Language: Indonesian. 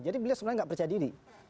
jadi beliau sebenarnya nggak percaya diri